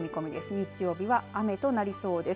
日曜日は雨となりそうです。